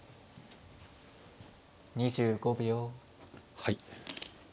はい。